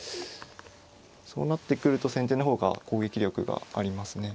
そうなってくると先手の方が攻撃力がありますね。